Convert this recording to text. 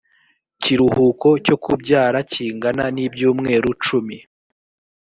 kiruhuko cyo kubyara kingana n ibyumweru cumi